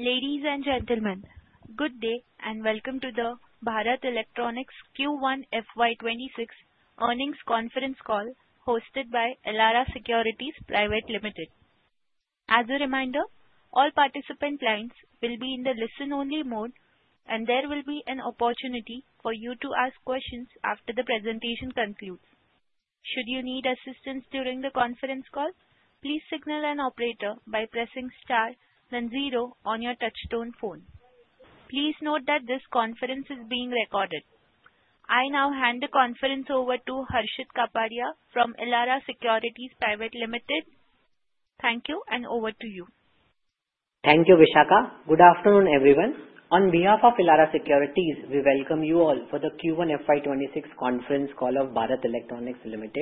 Ladies and gentlemen, good day and welcome to the Bharat Electronics Q1 FY2026 earnings conference call hosted by Elara Securities Private Limited. As a reminder, all participant lines will be in the listen-only mode, and there will be an opportunity for you to ask questions after the presentation concludes. Should you need assistance during the conference call, please signal an operator by pressing star then zero on your touchtone phone. Please note that this conference is being recorded. I now hand the conference over to Harshit Kapadia from Elara Securities Private Limited. Thank you, and over to you. Thank you, Vishaka. Good afternoon, everyone. On behalf of Elara Securities, we welcome you all for the Q1 FY2026 conference call of Bharat Electronics Ltd.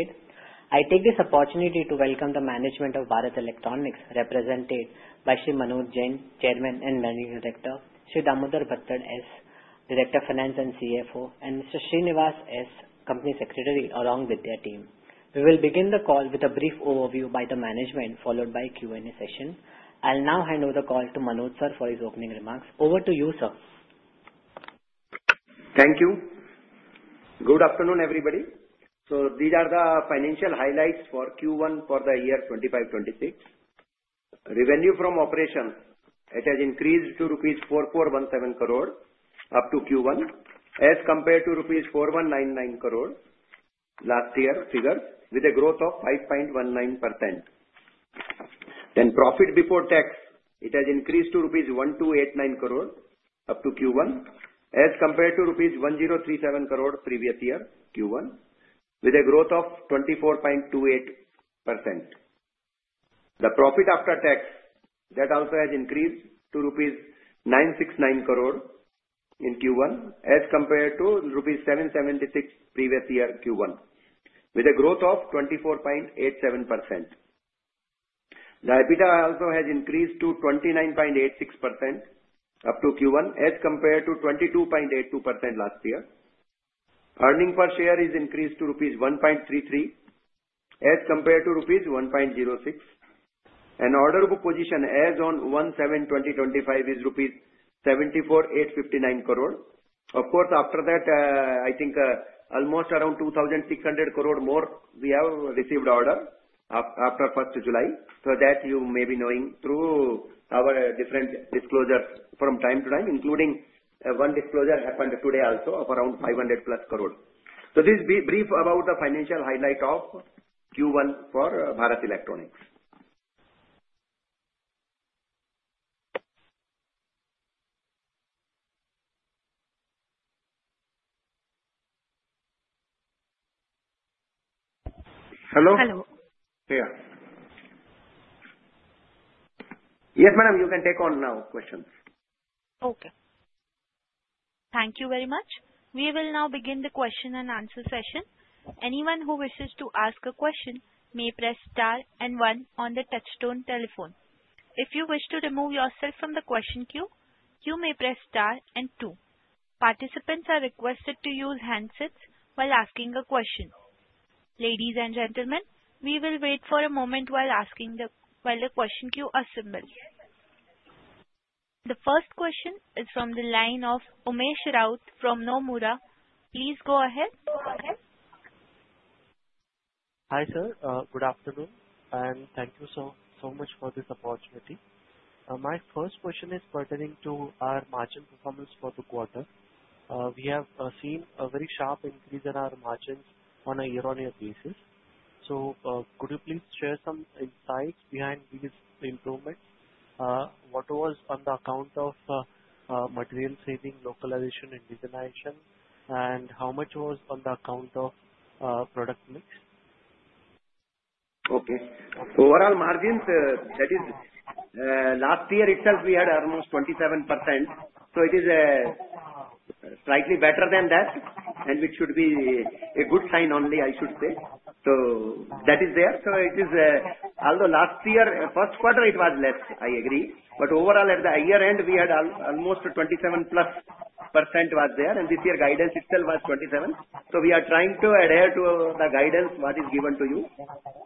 I take this opportunity to welcome the management of Bharat Electronics, represented by Shri Manoj Jain, Chairman and Managing Director; Shri Damodar Bhattad S, Director of Finance and CFO; and Mr. Shri Nivas S, Company Secretary, along with their team. We will begin the call with a brief overview by the management, followed by a Q&A session. I'll now hand over the call to Manoj sir for his opening remarks. Over to you, sir. Thank you. Good afternoon, everybody. These are the financial highlights for Q1 for the year 2025-2026. Revenue from operations, it has increased to rupees 4,417 crore up to Q1, as compared to rupees 4,199 crore last year figures, with a growth of 5.19%. Profit before tax, it has increased to rupees 1,289 crore up to Q1, as compared to rupees 1,037 crore previous year Q1, with a growth of 24.28%. The profit after tax, that also has increased to rupees 969 crore in Q1, as compared to rupees 776 crore previous year Q1, with a growth of 24.87%. The EBITDA also has increased to 29.86% up to Q1, as compared to 22.82% last year. Earnings per share has increased to rupees 1.33, as compared to rupees 1.06. Order book position as on 01/07/2025 is rupees 74,859 crore. Of course, after that, I think almost around 2,600 crore more we have received order after 1st July. You may be knowing through our different disclosures from time to time, including one disclosure happened today also of around 500+ crore. This is brief about the financial highlight of Q1 for Bharat Electronics. Hello? Hello. Here. Yes, madam, you can take on now questions. Okay. Thank you very much. We will now begin the question and answer session. Anyone who wishes to ask a question may press star and one on the touchtone telephone. If you wish to remove yourself from the question queue, you may press star and two. Participants are requested to use handsets while asking a question. Ladies and gentlemen, we will wait for a moment while asking the question queue assembly. The first question is from the line of Umesh Raut from Nomura. Please go ahead. Hi sir, good afternoon, and thank you so much for this opportunity. My first question is pertaining to our margin performance for the quarter. We have seen a very sharp increase in our margins on a year-on-year basis. Could you please share some insights behind these improvements? What was on the account of material saving, localization, and regionalization, and how much was on the account of product mix? Okay. Overall margins, that is. Last year itself we had almost 27%. It is slightly better than that, which should be a good sign only, I should say. That is there. Although last year, first quarter it was less, I agree. Overall at the year end, we had almost 27%+ was there, and this year guidance itself was 27%. We are trying to adhere to the guidance what is given to you.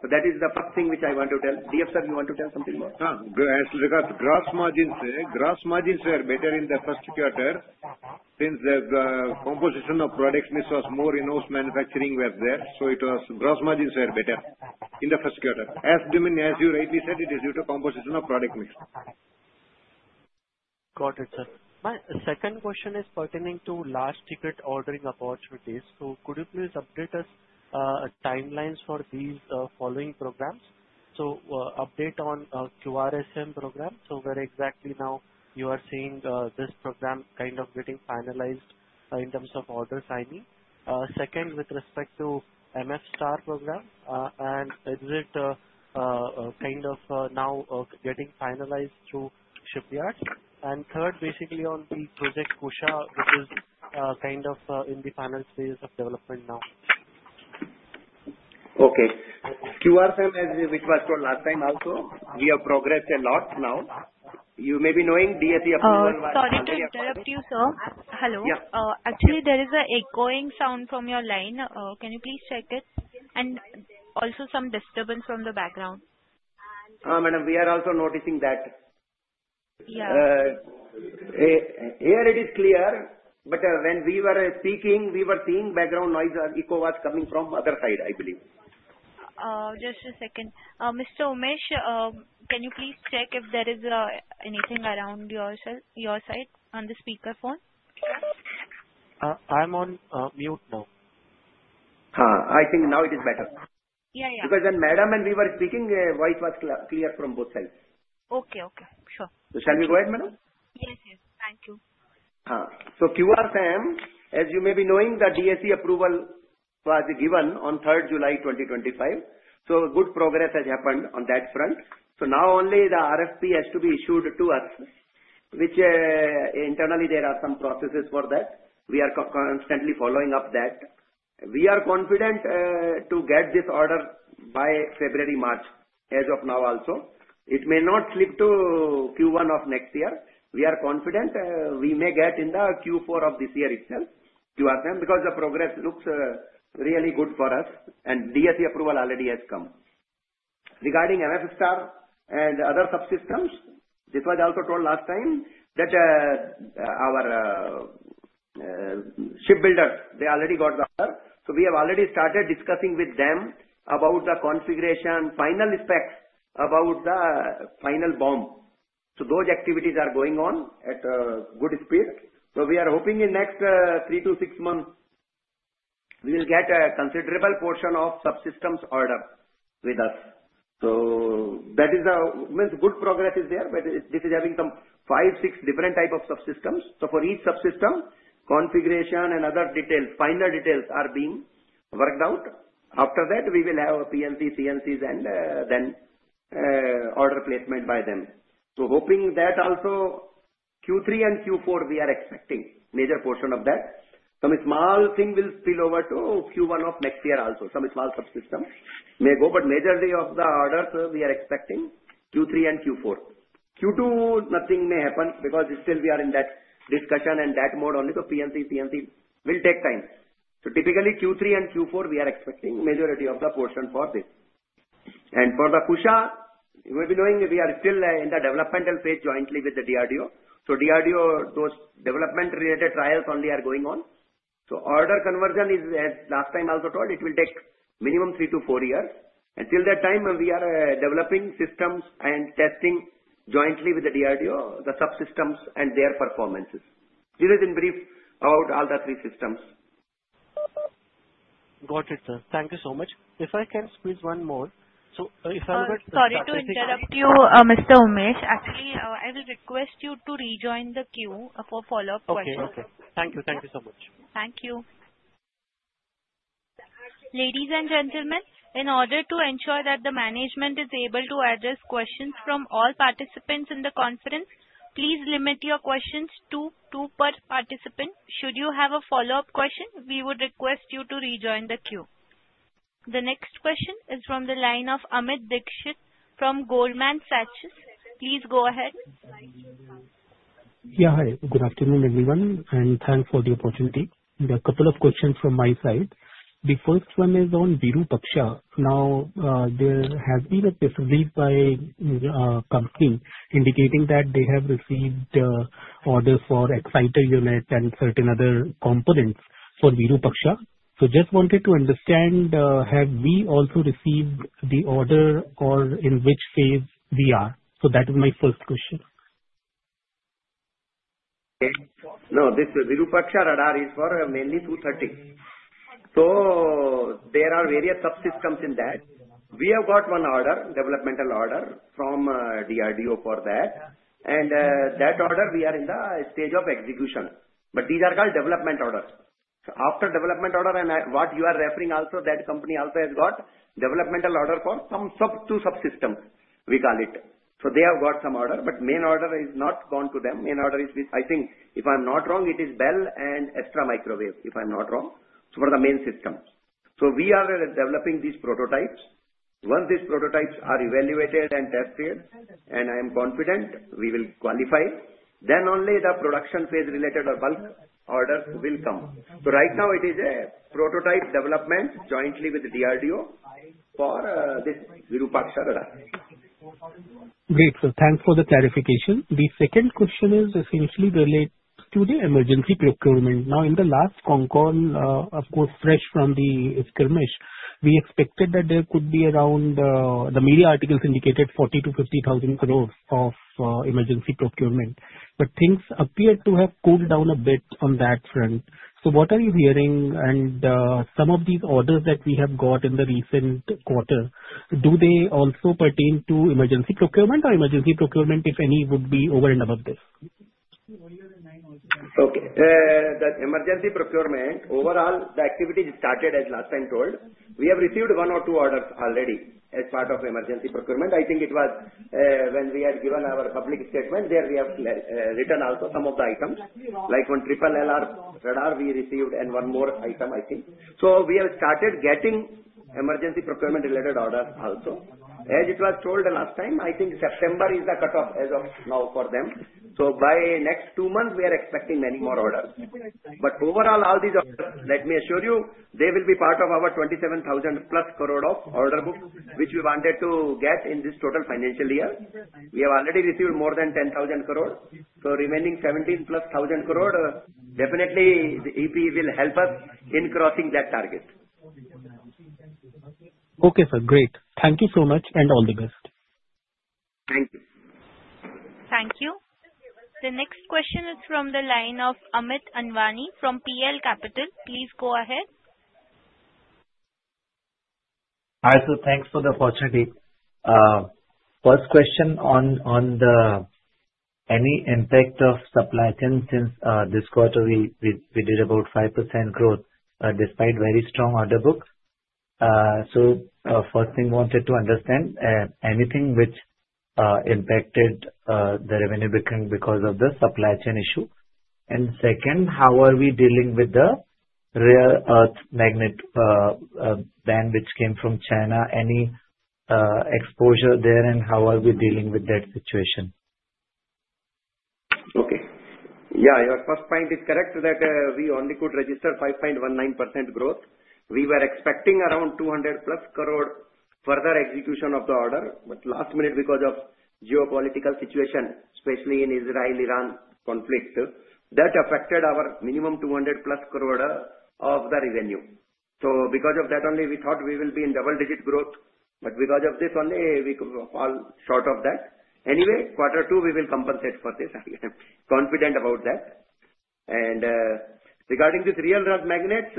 That is the first thing which I want to tell. DF sir, you want to tell something more? As regards to gross margins, gross margins were better in the first quarter since the composition of product mix was more in-house manufacturing was there. It was gross margins were better in the first quarter. As you rightly said, it is due to composition of product mix. Got it, sir. My second question is pertaining to last ticket ordering opportunities. Could you please update us, timelines for these following programs? Update on QRSAM program, where exactly now you are seeing this program kind of getting finalized in terms of order signing? Second, with respect to MFSTAR program, is it kind of now getting finalized through shipyards? Third, basically on the Project Kusha, which is kind of in the final stage of development now. Okay. QRSAM, which was told last time also, we have progressed a lot now. You may be knowing DFC Approved one. Sorry, interrupt you, sir. Hello. Actually, there is an echoing sound from your line. Can you please check it? Also, some disturbance from the background. Madam, we are also noticing that. Here it is clear, but when we were speaking, we were seeing background noise or echo was coming from other side, I believe. Just a second. Mr. Umesh, can you please check if there is anything around your side on the speakerphone? I'm on mute now. I think now it is better. Yeah, yeah. Because when madam and we were speaking, voice was clear from both sides. Okay, okay. Sure. Shall we go ahead, madam? Yes, yes. Thank you. QRSAM, as you may be knowing, the DFC Approval was given on 3rd July, 2025. Good progress has happened on that front. Now only the RFP has to be issued to us, which internally there are some processes for that. We are constantly following up that. We are confident to get this order by February, March, as of now also. It may not slip to Q1 of next year. We are confident we may get in the Q4 of this year itself, QRSAM, because the progress looks really good for us, and DFC Approval already has come. Regarding MFSTAR and other subsystems, this was also told last time that our shipbuilders, they already got the order. We have already started discussing with them about the configuration, final specs about the final bomb. Those activities are going on at a good speed. We are hoping in the next three to six months we will get a considerable portion of subsystems order with us. That means good progress is there, but this is having some five, six different types of subsystems. For each subsystem, configuration and other details, final details are being worked out. After that, we will have PLCs, CNCs, and then order placement by them. Hoping that also, Q3 and Q4, we are expecting a major portion of that. Some small thing will spill over to Q1 of next year also. Some small subsystems may go, but majority of the orders we are expecting Q3 and Q4. Q2, nothing may happen because still we are in that discussion and that mode only. PLC, CNC will take time. Typically Q3 and Q4, we are expecting majority of the portion for this. For the Kusha, you may be knowing we are still in the developmental phase jointly with the DRDO. DRDO, those development-related trials only are going on. Order conversion is, as last time also told, it will take minimum three to four years. Till that time, we are developing systems and testing jointly with the DRDO, the subsystems, and their performances. This is in brief about all the three systems. Got it, sir. Thank you so much. If I can squeeze one more. So if I got the. Sorry to interrupt you, Mr. Umesh. Actually, I will request you to rejoin the queue for follow-up questions. Okay, okay. Thank you. Thank you so much. Thank you. Ladies and gentlemen, in order to ensure that the management is able to address questions from all participants in the conference, please limit your questions to two per participant. Should you have a follow-up question, we would request you to rejoin the queue. The next question is from the line of Amit Dixit from Goldman Sachs. Please go ahead. Yeah, hi. Good afternoon, everyone, and thanks for the opportunity. There are a couple of questions from my side. The first one is on Virupaksha. Now, there has been a facility by the company indicating that they have received orders for exciter units and certain other components for Virupaksha. Just wanted to understand, have we also received the order or in which phase we are? That is my first question. No, this Virupaksha radar is for mainly 230. There are various subsystems in that. We have got one order, developmental order from DRDO for that. That order, we are in the stage of execution. These are called development orders. After development order and what you are referring also, that company also has got developmental order for some subsystems, we call it. They have got some order, but main order has not gone to them. Main order is with, I think, if I'm not wrong, it is BEL and Astra Microwave, if I'm not wrong, for the main systems. We are developing these prototypes. Once these prototypes are evaluated and tested, and I am confident we will qualify, then only the production phase-related or bulk orders will come. Right now, it is a prototype development jointly with DRDO for this Virupaksha radar. Great. Thanks for the clarification. The second question is essentially related to the emergency procurement. Now, in the last concall, of course, fresh from the skirmish, we expected that there could be around the media articles indicated 40-50 thousand crore of emergency procurement. Things appear to have cooled down a bit on that front. What are you hearing? Some of these orders that we have got in the recent quarter, do they also pertain to emergency procurement, or emergency procurement, if any, would be over and above this? Okay. The emergency procurement, overall, the activity started as last time told. We have received one or two orders already as part of emergency procurement. I think it was when we had given our public statement, there we have written also some of the items, like one triple LR radar we received and one more item, I think. We have started getting emergency procurement-related orders also. As it was told last time, I think September is the cutoff as of now for them. By next two months, we are expecting many more orders. Overall, all these orders, let me assure you, they will be part of our 27,000+ crore of order books, which we wanted to get in this total financial year. We have already received more than 10,000 crore. Remaining 17,000+ crore, definitely the EP will help us in crossing that target. Okay, sir. Great. Thank you so much and all the best. Thank you. Thank you. The next question is from the line of Amit Anwani from PL Capital. Please go ahead. Hi, sir. Thanks for the opportunity. First question on the. Any impact of supply chain since this quarter we did about 5% growth despite very strong order book? First thing, wanted to understand, anything which impacted the revenue because of the supply chain issue? Second, how are we dealing with the rare earth magnet ban which came from China? Any exposure there and how are we dealing with that situation? Okay. Yeah, your first point is correct that we only could register 5.19% growth. We were expecting around 200+ crore further execution of the order, but last minute because of geopolitical situation, especially in Israel-Iran conflict, that affected our minimum 200+ crore of the revenue. Because of that only, we thought we will be in double-digit growth, but because of this only, we fall short of that. Anyway, quarter two, we will compensate for this. I am confident about that. Regarding these rare earth magnets,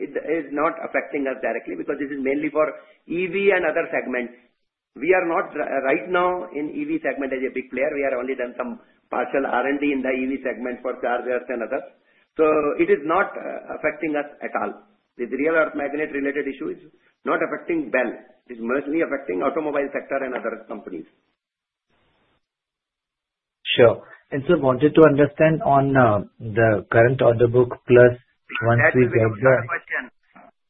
it is not affecting us directly because this is mainly for EV and other segments. We are not right now in EV segment as a big player. We have only done some partial R&D in the EV segment for chargers and others. It is not affecting us at all. The rare earth magnet-related issue is not affecting BEL. It is mostly affecting the automobile sector and other companies. Sure. Sir, wanted to understand on the current order book plus once we get the.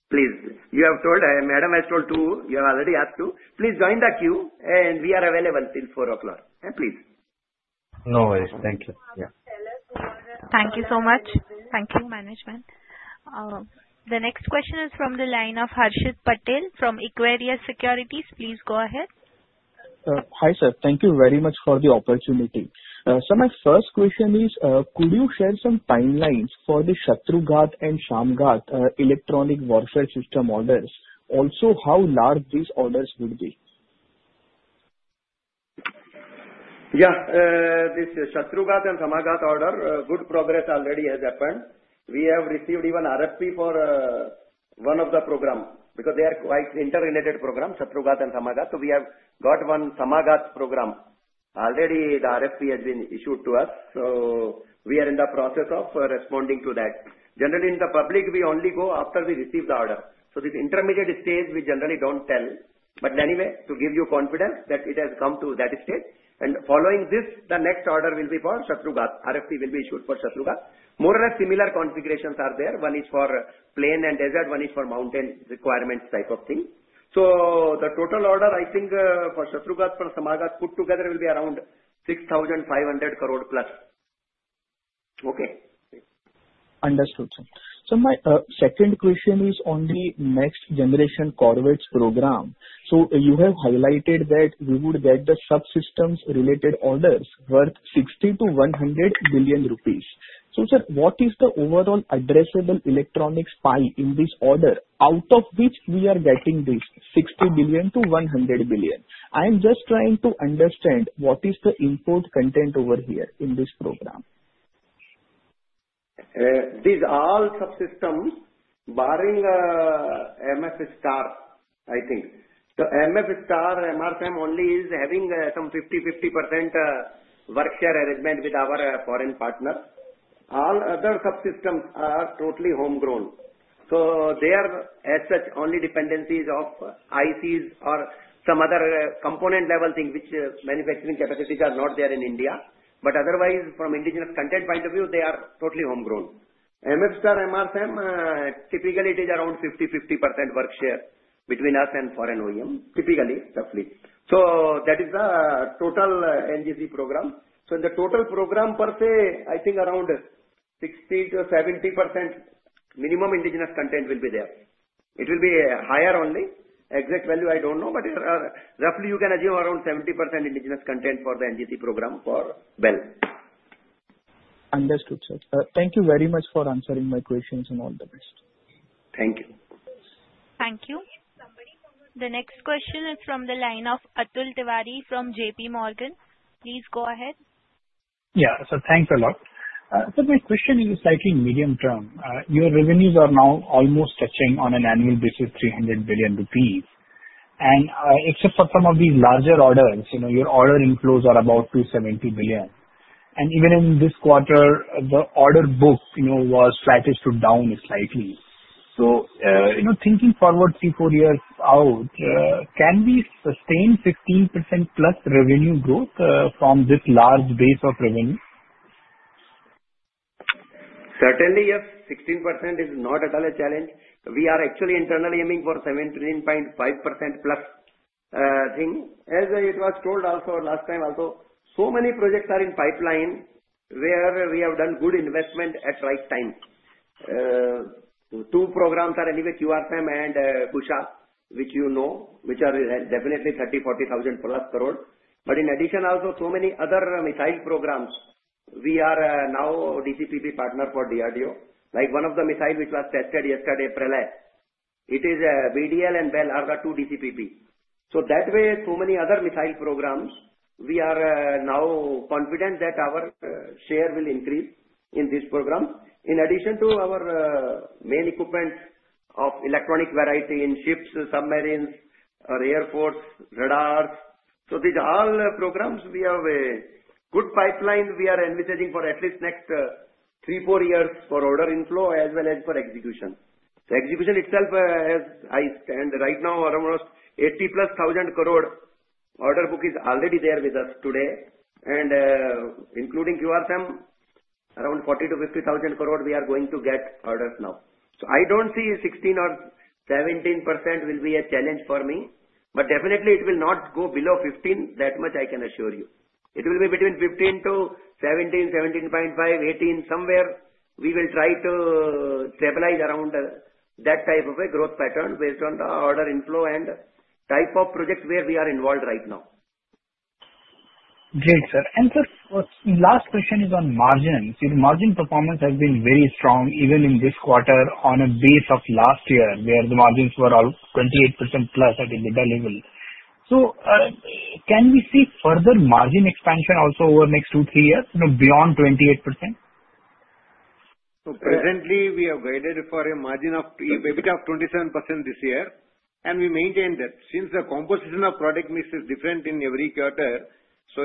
Please. You have told, madam has told too, you have already asked too. Please join the queue and we are available till 4 o'clock. Please. No worries. Thank you. Thank you so much. Thank you, management. The next question is from the line of Harshit Patel from Equirus Securities. Please go ahead. Hi, sir. Thank you very much for the opportunity. My first question is, could you share some timelines for the Shatrughat and Samaghat electronic warfare system orders? Also, how large these orders would be? Yeah. This Shatrughat and Samaghat order, good progress already has happened. We have received even RFP for one of the program because they are quite interrelated programs, Shatrughat and Samaghat. We have got one Samaghat program. Already, the RFP has been issued to us. We are in the process of responding to that. Generally, in the public, we only go after we receive the order. This intermediate stage, we generally do not tell. Anyway, to give you confidence that it has come to that stage, and following this, the next order will be for Shatrughat. RFP will be issued for Shatrughat. More or less similar configurations are there. One is for plain and desert, one is for mountain requirements type of thing. The total order, I think, for Shatrughat from Samaghat put together will be around 6,500+ crore. Okay. Understood, sir. My second question is on the next generation corvettes program. You have highlighted that we would get the subsystems-related orders worth 60-100 billion rupees. Sir, what is the overall addressable electronics pie in this order out of which we are getting this 60-100 billion? I am just trying to understand what is the input content over here in this program. These all subsystems, barring MFSTAR, I think. MFSTAR, MRSAM only is having some 50-50% work share arrangement with our foreign partners. All other subsystems are totally home-grown. They are as such only dependencies of ICs or some other component-level thing which manufacturing capacities are not there in India. Otherwise, from indigenous content point of view, they are totally home-grown. MFSTAR, MRSAM, typically it is around 50-50% work share between us and foreign OEM, typically, roughly. That is the total NGC program. In the total program per se, I think around 60-70% minimum indigenous content will be there. It will be higher only. Exact value, I do not know, but roughly you can assume around 70% indigenous content for the NGC program for BEL. Understood, sir. Thank you very much for answering my questions and all the best. Thank you. Thank you. The next question is from the line of Atul Tiwari from JPMorgan. Please go ahead. Yeah. Thanks a lot. My question is a slightly medium term. Your revenues are now almost touching on an annual basis 300 billion rupees. Except for some of these larger orders, your order inflows are about 270 billion. Even in this quarter, the order book was slatted to down slightly. Thinking forward three to four years out, can we sustain 15%+ revenue growth from this large base of revenue? Certainly, yes. 16% is not at all a challenge. We are actually internally aiming for 17.5%+. Thing. As it was told also last time also, so many projects are in pipeline where we have done good investment at the right time. Two programs are anyway, QRSAM and Kusha, which you know, which are definitely 30,000-40,000+ crore. In addition also, so many other missile programs, we are now DCPP partner for DRDO. Like one of the missiles which was tested yesterday, Pralay. It is BDL and BEL are the two DCPP. That way, so many other missile programs, we are now confident that our share will increase in this program. In addition to our main equipment of electronic variety in ships, submarines, or air force, radars, these are all programs we have a good pipeline we are envisaging for at least next three to four years for order inflow as well as for execution. The execution itself, as I stand right now, almost 80,000+ crore order book is already there with us today. Including QRSAM, around 40,000-50,000 crore, we are going to get orders now. I do not see 16% or 17% will be a challenge for me. Definitely, it will not go below 15%, that much I can assure you. It will be between 15%-17%, 17.5%, 18%, somewhere. We will try to stabilize around that type of a growth pattern based on the order inflow and type of projects where we are involved right now. Great, sir. And sir, last question is on margins. Margin performance has been very strong even in this quarter on a base of last year where the margins were all 28%+ at the middle level. Can we see further margin expansion also over the next two, three years beyond 28%? Presently, we have guided for a margin of 27% this year. We maintain that. Since the composition of product mix is different in every quarter,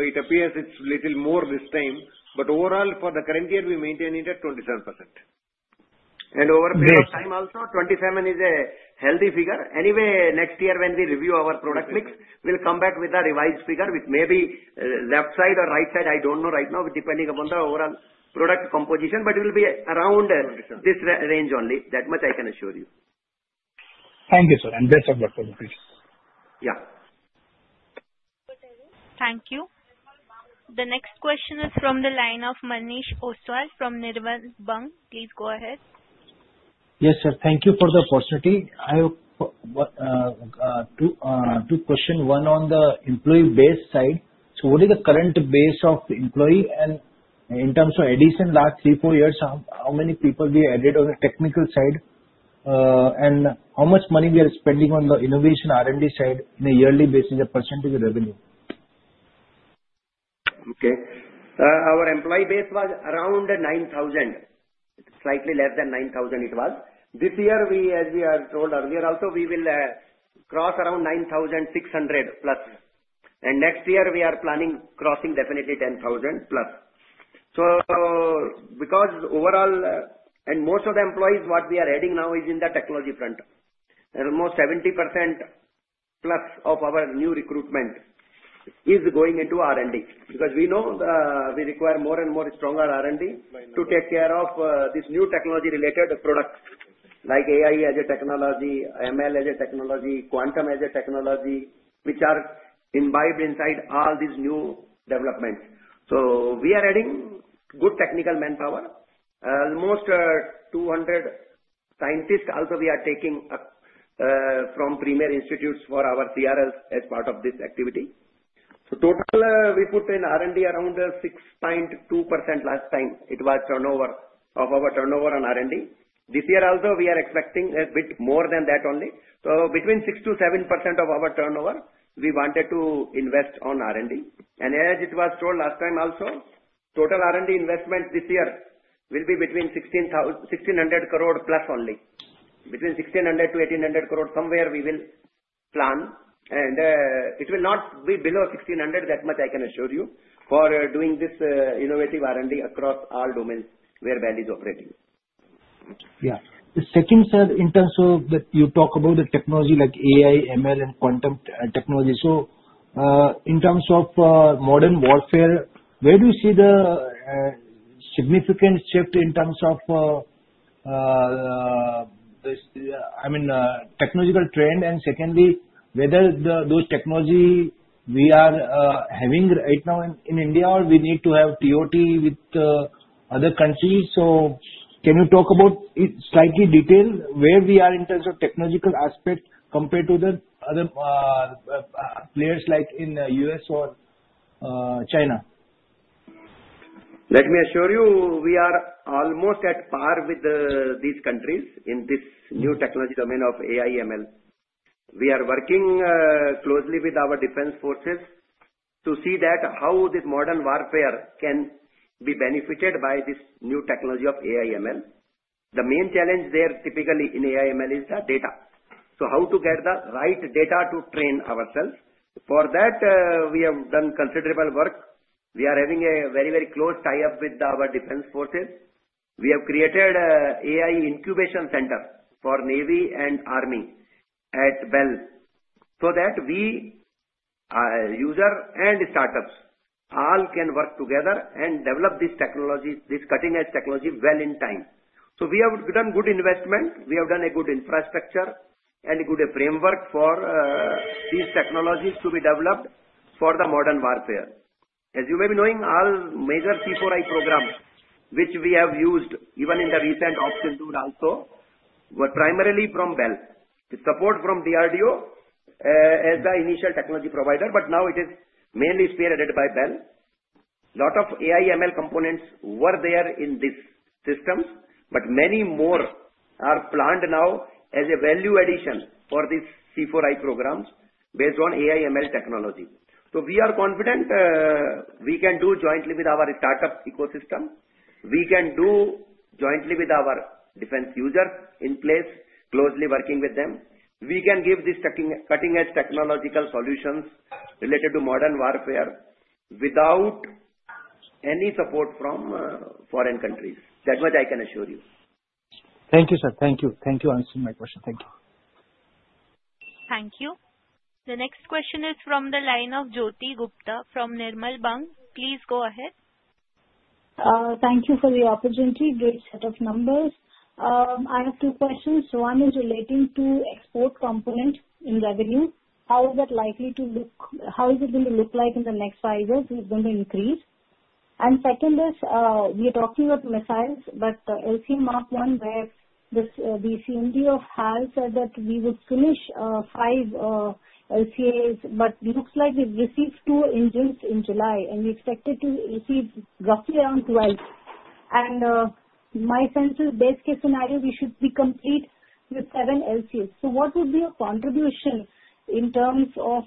it appears it's a little more this time. Overall, for the current year, we maintain it at 27%. Over a period of time also, 27% is a healthy figure. Anyway, next year when we review our product mix, we'll come back with a revised figure with maybe left side or right side, I don't know right now, depending upon the overall product composition. It will be around this range only. That much I can assure you. Thank you, sir. Best of luck, sir. Yeah. Thank you. The next question is from the line of Manish Ostwal from Nirmal Bang. Please go ahead. Yes, sir. Thank you for the opportunity. I have two questions. One on the employee base side. What is the current base of employee? In terms of addition, last three-four years, how many people we added on the technical side? How much money we are spending on the innovation R&D side on a yearly basis, as a percentage of revenue? Okay. Our employee base was around 9,000. Slightly less than 9,000 it was. This year, as we are told earlier also, we will cross around 9,600+. Next year, we are planning crossing definitely 10,000+. Because overall, and most of the employees, what we are adding now is in the technology front. Almost 70%+ of our new recruitment is going into R&D. Because we know we require more and more stronger R&D to take care of this new technology-related products. Like AI as a technology, ML as a technology, quantum as a technology, which are imbibed inside all these new developments. We are adding good technical manpower. Almost 200 scientists also we are taking from premier institutes for our CRLs as part of this activity. Total, we put in R&D around 6.2% last time. It was of our turnover on R&D. This year also, we are expecting a bit more than that only. Between 6%-7% of our turnover, we wanted to invest on R&D. As it was told last time also, total R&D investment this year will be between 1,600+ crore only. Between 16 and 20 crore somewhere we will plan. It will not be below 1,600 crore, that much I can assure you, for doing this innovative R&D across all domains where BEL is operating. Yeah. The second, sir, in terms of you talk about the technology like AI, ML, and quantum technology. In terms of modern warfare, where do you see the significant shift in terms of, I mean, technological trend? Secondly, whether those technologies we are having right now in India or we need to have TOT with other countries. Can you talk about in slightly detail where we are in terms of technological aspect compared to the other players like in the U.S. or China? Let me assure you, we are almost at par with these countries in this new technology domain of AI, ML. We are working closely with our defense forces to see how this modern warfare can be benefited by this new technology of AI, ML. The main challenge there typically in AI, ML is the data. So how to get the right data to train ourselves. For that, we have done considerable work. We are having a very, very close tie-up with our defense forces. We have created an AI incubation center for Navy and Army at BEL. So that we, user and startups all can work together and develop this technology, this cutting-edge technology well in time. We have done good investment. We have done a good infrastructure and a good framework for these technologies to be developed for the modern warfare. As you may be knowing, our major C4I program, which we have used even in the recent option tool also, was primarily from BEL with support from DRDO as the initial technology provider, but now it is mainly spearheaded by BEL. A lot of AI, ML components were there in these systems, but many more are planned now as a value addition for these C4I programs based on AI, ML technology. We are confident. We can do jointly with our startup ecosystem. We can do jointly with our defense users in place, closely working with them. We can give these cutting-edge technological solutions related to modern warfare without any support from foreign countries. That much I can assure you. Thank you, sir. Thank you for answering my question. Thank you. Thank you. The next question is from the line of Jyoti Gupta from Nirmal Bang. Please go ahead. Thank you for the opportunity. Great set of numbers. I have two questions. One is relating to export component in revenue. How is it likely to look? How is it going to look like in the next five years? Is it going to increase? The second is, we are talking about missiles, but LCA Mark 1, where the CMDO has said that we would finish five LCAs, but it looks like we received two engines in July, and we expected to receive roughly around 12. My sense is, base case scenario, we should be complete with seven LCAs. What would be your contribution in terms of,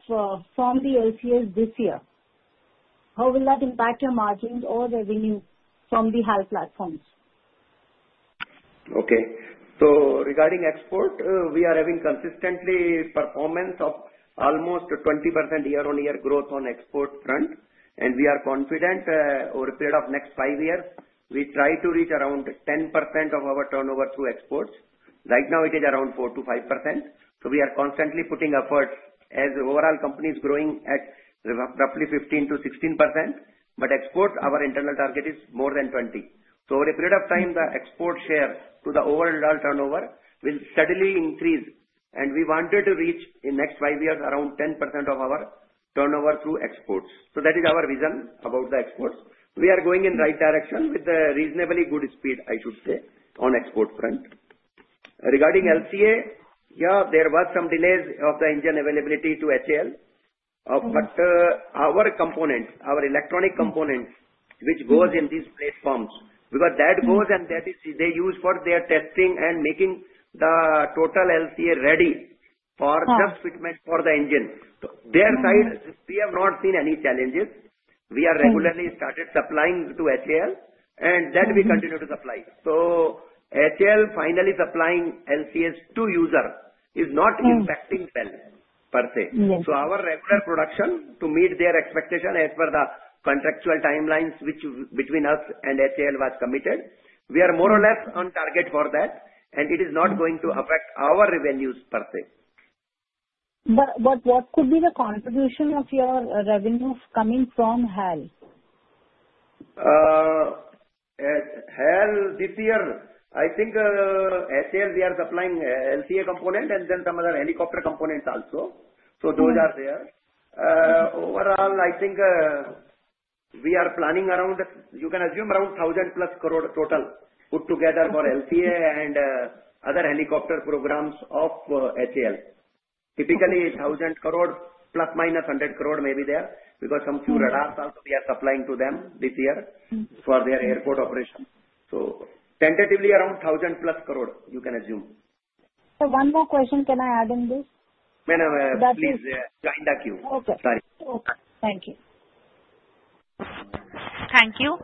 from the LCAs this year? How will that impact your margins or revenue from the HAL platforms? Okay. Regarding export, we are having consistently performance of almost 20% year-on-year growth on export front. We are confident over a period of the next five years, we try to reach around 10% of our turnover through exports. Right now, it is around 4%-5%. We are constantly putting efforts as overall company is growing at roughly 15%-16%. Export, our internal target is more than 20%. Over a period of time, the export share to the overall turnover will steadily increase. We wanted to reach in the next five years around 10% of our turnover through exports. That is our vision about the exports. We are going in the right direction with reasonably good speed, I should say, on export front. Regarding LCA, yeah, there were some delays of the engine availability to HAL. Our component, our electronic component, which goes in these platforms, because that goes and that is they use for their testing and making the total LCA ready for just fitment for the engine. Their side, we have not seen any challenges. We are regularly started supplying to HAL, and that we continue to supply. HAL finally supplying LCAs to user is not impacting BEL per se. Our regular production to meet their expectation as per the contractual timelines between us and HAL was committed. We are more or less on target for that, and it is not going to affect our revenues per se. What could be the contribution of your revenues coming from HAL? HAL this year, I think. HAL, we are supplying LCA component and then some other helicopter components also. Those are there. Overall, I think we are planning around, you can assume around 1,000+ crore total put together for LCA and other helicopter programs of HAL. Typically, INR 1,000± crore 100,000 crore may be there because a few radars also we are supplying to them this year for their airport operation. Tentatively, around 1,000+ crore, you can assume. One more question, can I add in this? No, no. Please join the queue. Okay. Sorry. Okay. Thank you. Thank you.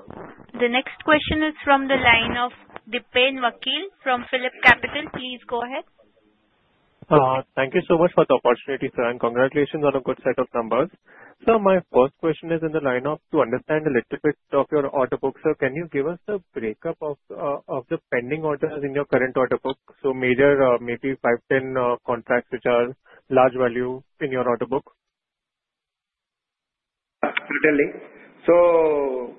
The next question is from the line of Dipen Vakil from PhillipCapital. Please go ahead. Thank you so much for the opportunity, sir. Congratulations on a good set of numbers. Sir, my first question is in the line of to understand a little bit of your order book. Sir, can you give us the breakup of the pending orders in your current order book? Maybe five, ten contracts which are large value in your order book. Absolutely. So.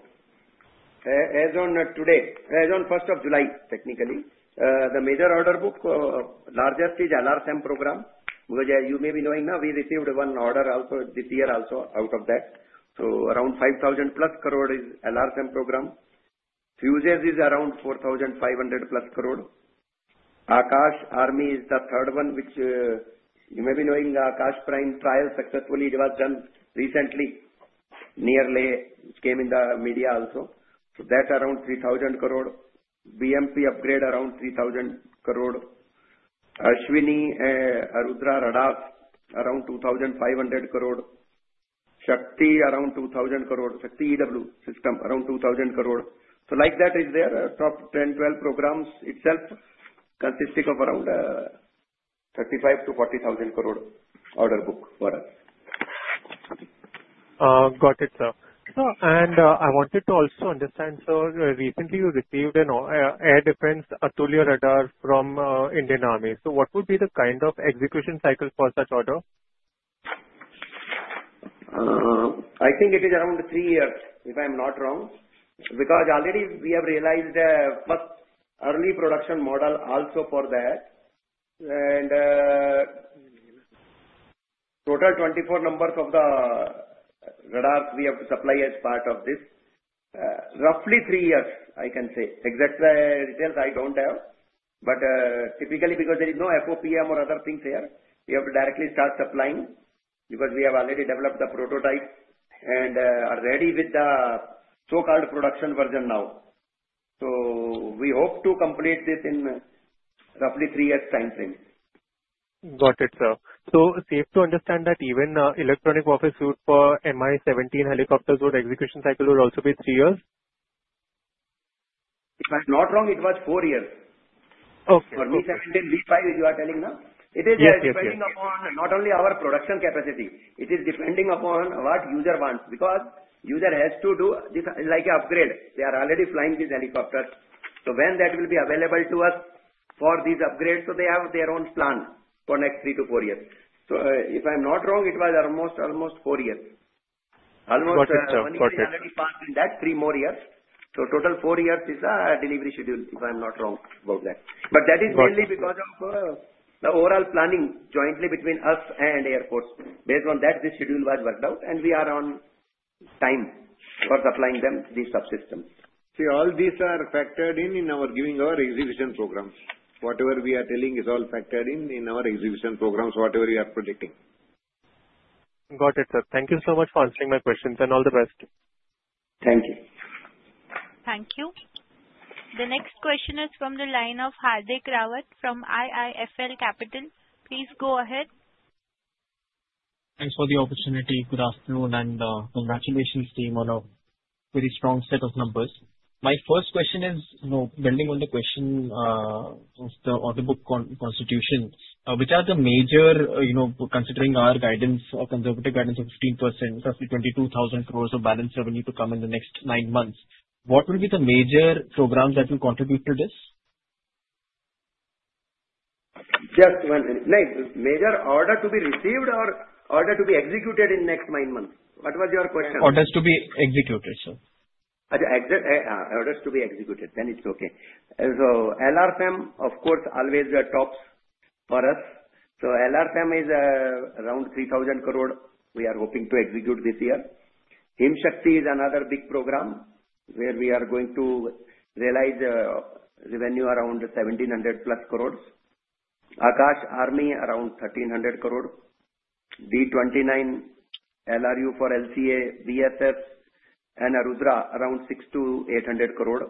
As on today, as on 1st of July, technically, the major order book, largest is LRSM program. You may be knowing now, we received one order also this year also out of that. So around 5,000+ crore is LRSM program. Fusers is around 4,500+ crore. Akash Army is the third one, which. You may be knowing, Akash Prime trial successfully. It was done recently. Nearly came in the media also. So that's around 3,000 crore. BMP upgrade around 3,000 crore. Ashwini Arudhra Radar around 2,500 crore. Shakti around 2,000 crore. Shakti EW system around 2,000 crore. So like that is their top 10-12 programs itself consisting of around 35,000-40,000 crore order book for us. Got it, sir. Sir, and I wanted to also understand, sir, recently you received an Air Defence Atulya Radar from Indian Army. So what would be the kind of execution cycle for such order? I think it is around three years, if I'm not wrong. Because already we have realized first early production model also for that. Total 24 numbers of the radars we have supplied as part of this. Roughly three years, I can say. Exact details I don't have. Typically, because there is no FOPM or other things here, we have to directly start supplying because we have already developed the prototype and are ready with the so-called production version now. We hope to complete this in roughly three years' time frame. Got it, sir. So safe to understand that even electronic warfare suit for Mi-17 helicopters would execution cycle will also be three years? If I'm not wrong, it was four years. Okay. For Mi-17 V-5, as you are telling now. It is depending upon not only our production capacity. It is depending upon what user wants. Because user has to do this is like an upgrade. They are already flying these helicopters. When that will be available to us for these upgrades, they have their own plan for next three to four years. If I'm not wrong, it was almost four years. Got it, sir. Got it. Already passed in that three more years. So total four years is the delivery schedule, if I'm not wrong about that. But that is mainly because of the overall planning jointly between us and Air Force. Based on that, this schedule was worked out, and we are on time for supplying them these subsystems. See, all these are factored in our execution programs. Whatever we are telling is all factored in our execution programs, whatever we are predicting. Got it, sir. Thank you so much for answering my questions. All the best. Thank you. Thank you. The next question is from the line of Hardik Rawat from IIFL Securities. Please go ahead. Thanks for the opportunity. Good afternoon and congratulations, team. On a very strong set of numbers. My first question is, building on the question of the order book constitution, which are the major, considering our guidance, conservative guidance of 15%, roughly 22,000 crore of balance revenue to come in the next nine months, what will be the major programs that will contribute to this? Just one minute. Major order to be received or order to be executed in the next nine months? What was your question? Orders to be executed, sir. Orders to be executed. It's okay. LRFAM, of course, always tops for us. LRFAM is around 3,000 crore we are hoping to execute this year. HIMSHAKTI is another big program where we are going to realize revenue around 1,700+ crore. Akash Army around 1,300 crore. D29 LRU for LCA, BFF, and Arudra around 600-800 crore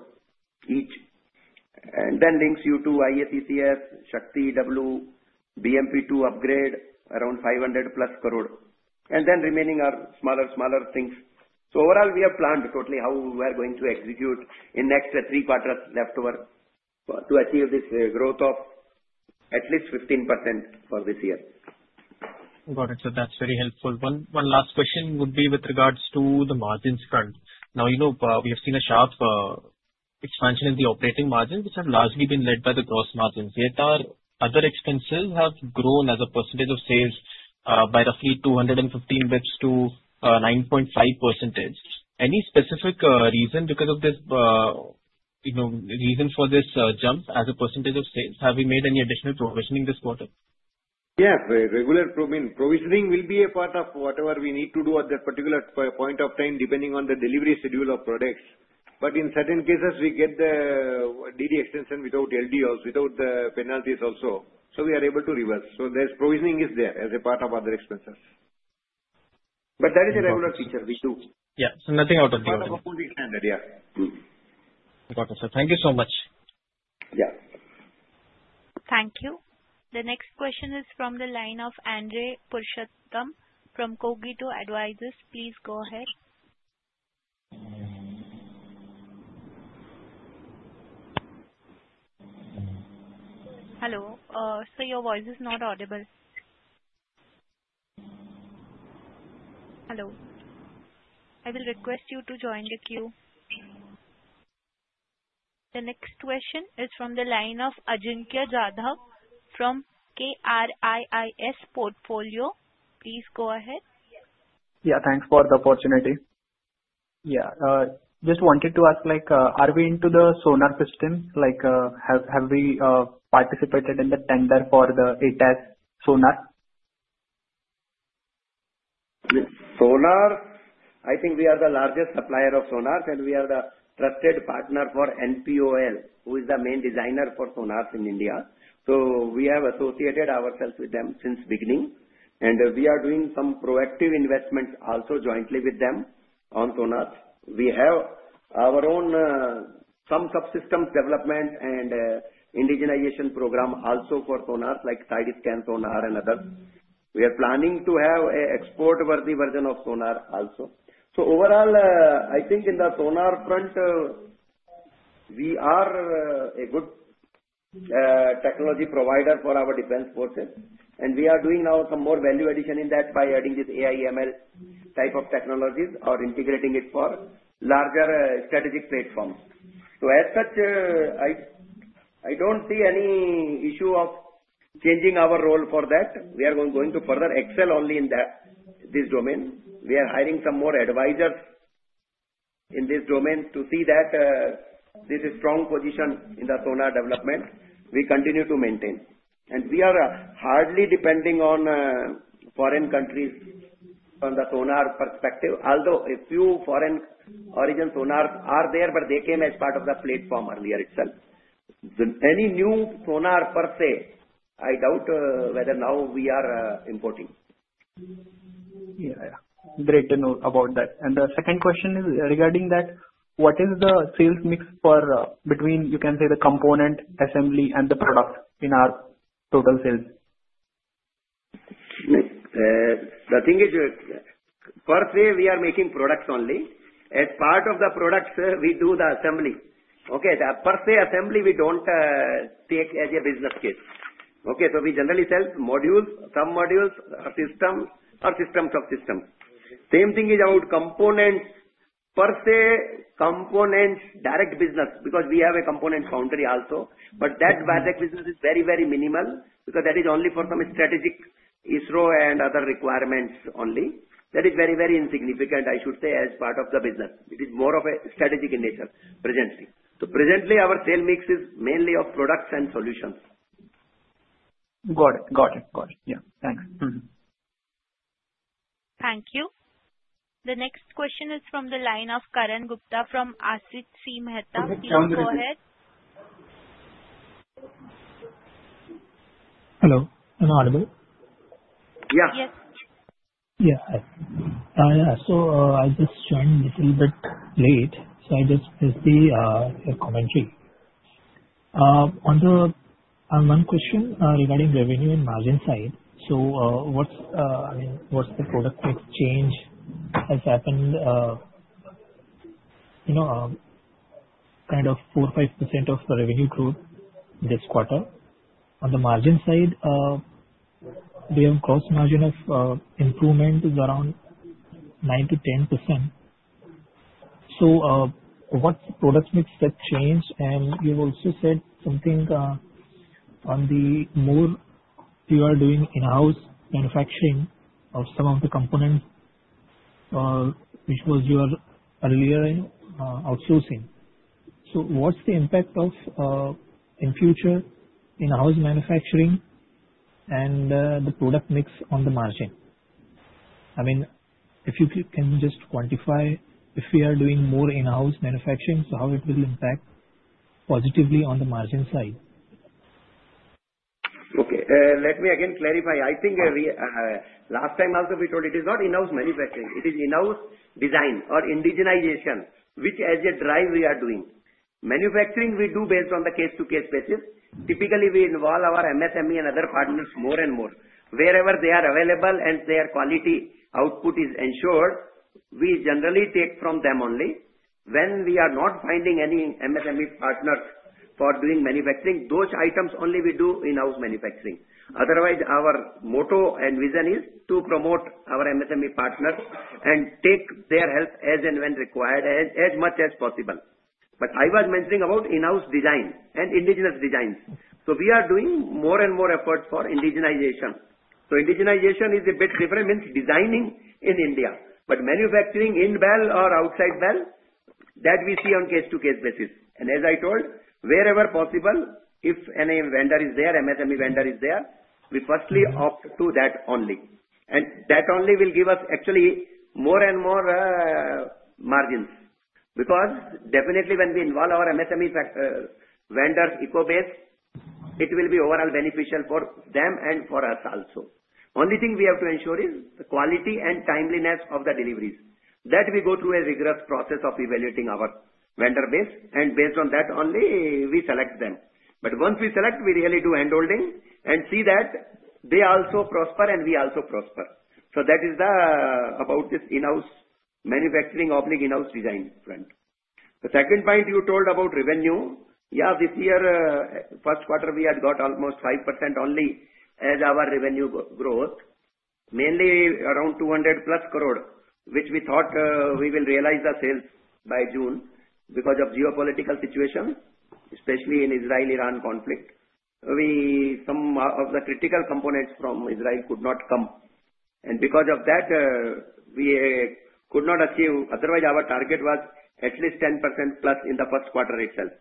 each. Links you to IACCF, Shakti EW, BMP-2 upgrade around 500+ crore. The remaining are smaller, smaller things. Overall, we have planned totally how we are going to execute in the next three quarters left over to achieve this growth of at least 15% for this year. Got it. So that's very helpful. One last question would be with regards to the margins front. Now, we have seen a sharp expansion in the operating margins, which have largely been led by the gross margins. Yet our other expenses have grown as a percentage of sales by roughly 215 basis to 9.5%. Any specific reason because of this? Reason for this jump as a percentage of sales? Have we made any additional provisioning this quarter? Yes. Regular provisioning will be a part of whatever we need to do at that particular point of time, depending on the delivery schedule of products. In certain cases, we get the DD extension without LDOs, without the penalties also. We are able to reverse. Provisioning is there as a part of other expenses. That is a regular feature we do. Yeah. So nothing out of the ordinary. Out of our own standard. Yeah. Got it, sir. Thank you so much. Yeah. Thank you. The next question is from the line of Andrey Purushottam from Cogito Advisors. Please go ahead. Hello. Your voice is not audible. Hello. I will request you to join the queue. The next question is from the line of Ajinkya Jadhav from KRIIS Portfolio. Please go ahead. Yeah. Thanks for the opportunity. Yeah. Just wanted to ask, are we into the sonar systems? Have we participated in the tender for the ATAS sonar? Sonar, I think we are the largest supplier of sonars, and we are the trusted partner for NPOL, who is the main designer for sonars in India. We have associated ourselves with them since the beginning. We are doing some proactive investments also jointly with them on sonars. We have our own some subsystems development and indigenization program also for sonars, like side-scan sonar and others. We are planning to have an export-worthy version of sonar also. Overall, I think on the sonar front, we are a good technology provider for our defense forces. We are doing now some more value addition in that by adding this AI/ML type of technologies or integrating it for larger strategic platforms. As such, I do not see any issue of changing our role for that. We are going to further excel only in this domain. We are hiring some more advisors in this domain to see that this strong position in the sonar development we continue to maintain. We are hardly depending on foreign countries on the sonar perspective. Although a few foreign origin sonars are there, they came as part of the platform earlier itself. Any new sonar per se, I doubt whether now we are importing. Yeah. Great to know about that. The second question is regarding that, what is the sales mix between, you can say, the component, assembly, and the product in our total sales? The thing is, per se, we are making products only. As part of the products, we do the assembly. Okay. Per se, assembly, we do not take as a business case. Okay. We generally sell some modules or systems or systems of systems. Same thing is about components. Per se, components, direct business, because we have a component foundry also. That direct business is very, very minimal because that is only for some strategic ISRO and other requirements only. That is very, very insignificant, I should say, as part of the business. It is more of a strategic in nature presently. Presently, our sale mix is mainly of products and solutions. Got it. Yeah. Thanks. Thank you. The next question is from the line of Karan Gupta from Asit C Mehta. Please go ahead. Hello. Am I audible? Yeah. Yes. Yeah. Yeah. I just joined a little bit late. I just heard your commentary. One question regarding revenue and margin side. I mean, what's the product exchange that has happened? Kind of 4%-5% of the revenue growth this quarter? On the margin side, we have a gross margin improvement of around 9%-10%. What's the product mix that changed? You also said something on the more you are doing in-house manufacturing of some of the components, which was your earlier outsourcing. What's the impact of, in future, in-house manufacturing and the product mix on the margin? I mean, if you can just quantify, if we are doing more in-house manufacturing, how will it impact positively on the margin side? Okay. Let me again clarify. I think last time also, we told it is not in-house manufacturing. It is in-house design or indigenization, which, as a drive, we are doing. Manufacturing, we do based on the case-to-case basis. Typically, we involve our MSME and other partners more and more. Wherever they are available and their quality output is ensured, we generally take from them only. When we are not finding any MSME partners for doing manufacturing, those items only we do in-house manufacturing. Otherwise, our motto and vision is to promote our MSME partners and take their help as and when required as much as possible. I was mentioning about in-house design and indigenous designs. We are doing more and more efforts for indigenization. Indigenization is a bit different, means designing in India. Manufacturing in BEL or outside BEL, that we see on case-to-case basis. As I told, wherever possible, if any vendor is there, MSME vendor is there, we firstly opt to that only. That only will give us actually more and more margins. Because definitely, when we involve our MSME vendors' eco base, it will be overall beneficial for them and for us also. Only thing we have to ensure is the quality and timeliness of the deliveries. We go through a rigorous process of evaluating our vendor base. Based on that only, we select them. Once we select, we really do handholding and see that they also prosper and we also prosper. That is about this in-house manufacturing or in-house design front. The second point you told about revenue, yeah, this year, first quarter, we had got almost 5% only as our revenue growth, mainly around 200+ crore, which we thought we will realize the sales by June because of geopolitical situation, especially in Israel-Iran conflict. Some of the critical components from Israel could not come. Because of that, we could not achieve. Otherwise, our target was at least 10%+ in the first quarter itself.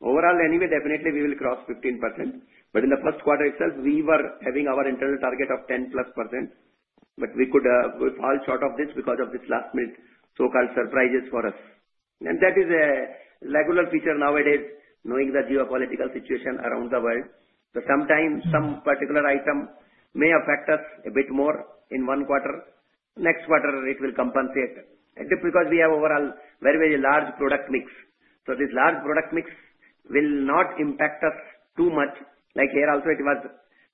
Overall, anyway, definitely, we will cross 15%. In the first quarter itself, we were having our internal target of 10%+. We fell short of this because of this last-minute so-called surprises for us. That is a regular feature nowadays, knowing the geopolitical situation around the world. Sometimes some particular item may affect us a bit more in one quarter. Next quarter, it will compensate. We have overall very, very large product mix. This large product mix will not impact us too much. Like here also, it was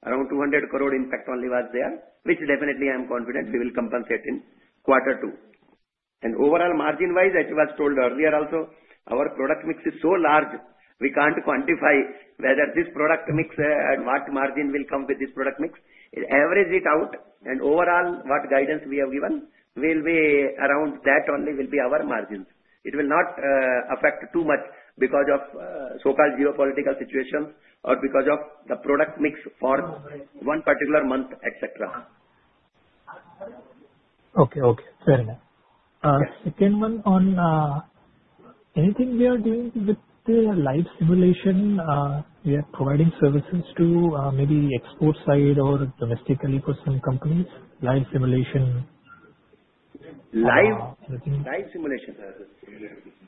around 200 crore impact only was there, which definitely, I am confident we will compensate in quarter two. Overall, margin-wise, as you were told earlier also, our product mix is so large, we cannot quantify whether this product mix and what margin will come with this product mix. Average it out, and overall, what guidance we have given will be around that only will be our margins. It will not affect too much because of so-called geopolitical situations or because of the product mix for one particular month, etc. Okay. Okay. Fair enough. Second one on. Anything we are doing with the live simulation? We are providing services to maybe export side or domestically for some companies? Live simulation. Live simulation.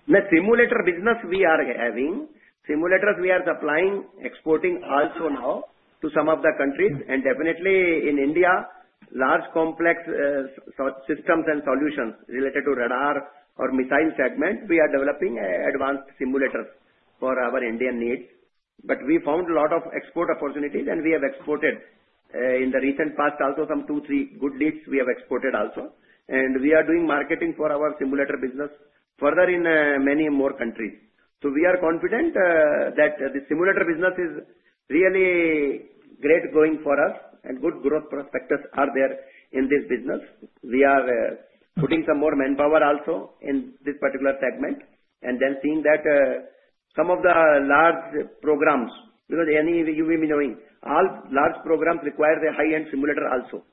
The simulator business we are having, simulators we are supplying, exporting also now to some of the countries. Definitely, in India, large complex systems and solutions related to radar or missile segment, we are developing advanced simulators for our Indian needs. We found a lot of export opportunities, and we have exported in the recent past also some two, three good deals we have exported also. We are doing marketing for our simulator business further in many more countries. We are confident that the simulator business is really great going for us, and good growth prospects are there in this business. We are putting some more manpower also in this particular segment and then seeing that some of the large programs, because you may be knowing, all large programs require the high-end simulator also.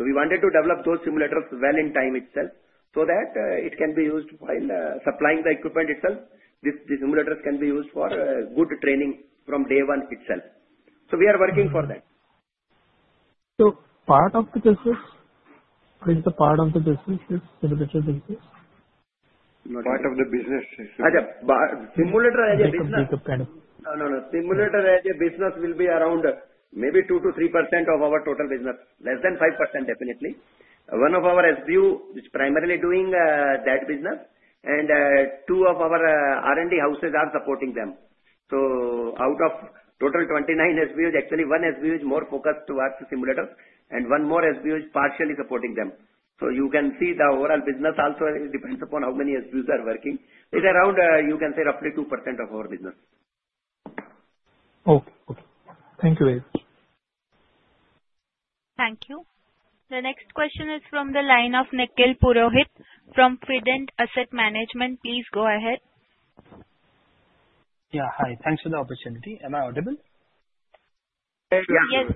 We wanted to develop those simulators well in time itself so that it can be used while supplying the equipment itself. These simulators can be used for good training from day one itself. We are working for that. Part of the business. What is the part of the business? Part of the business. No, no, no. Simulator as a business will be around maybe 2%-3% of our total business. Less than 5%, definitely. One of our SBUs is primarily doing that business, and two of our R&D houses are supporting them. Out of total 29 SBUs, actually one SBU is more focused towards the simulator, and one more SBU is partially supporting them. You can see the overall business also depends upon how many SBUs are working. It is around, you can say, roughly 2% of our business. Okay. Okay. Thank you very much. Thank you. The next question is from the line of Nikhil Purohit from Fident Asset Management. Please go ahead. Yeah. Hi. Thanks for the opportunity. Am I audible? Yes.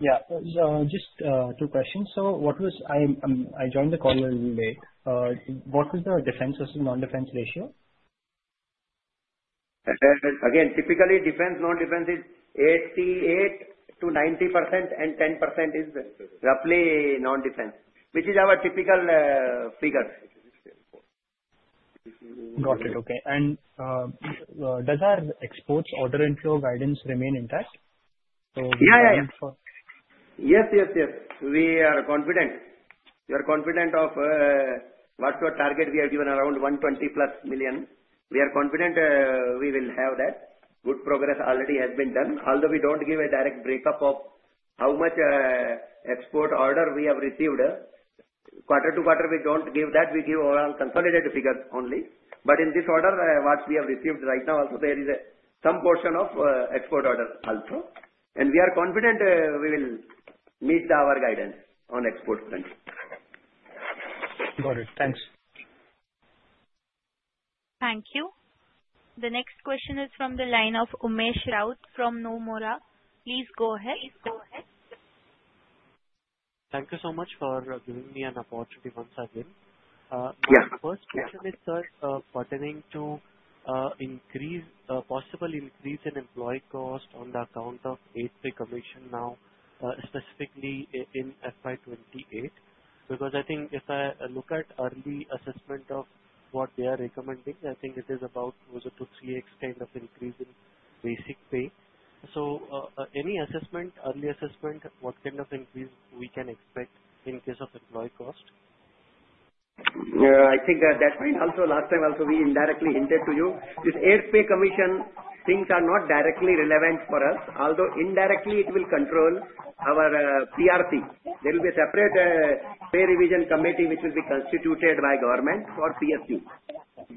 Yeah. So just two questions. I joined the call a little late. What was the defense versus non-defense ratio? Again, typically, defense non-defense is 88%-90%, and 10% is roughly non-defense, which is our typical figure. Got it. Okay. Does our exports order info guidance remain intact? Yes, yes. We are confident. We are confident of. What's our target? We have given around $120+ million. We are confident we will have that. Good progress already has been done. Although we do not give a direct breakup of how much export order we have received. Quarter to quarter, we do not give that. We give overall consolidated figures only. In this order, what we have received right now, also there is some portion of export order also. We are confident we will meet our guidance on export. Got it. Thanks. Thank you. The next question is from the line of Umesh Raut from Nomura. Please go ahead. Thank you so much for giving me an opportunity once again. My first question is, sir, pertaining to possible increase in employee cost on the account of eighth pay commission now, specifically in FY2028. Because I think if I look at early assessment of what they are recommending, I think it is about extent of increase in basic pay. So any assessment, early assessment, what kind of increase we can expect in case of employee cost? I think that point also, last time also, we indirectly hinted to you. This eighth pay commission, things are not directly relevant for us. Although indirectly, it will control our PRC. There will be a separate pay revision committee which will be constituted by government for PSUs.